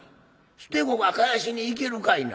捨て子が返しに行けるかいな。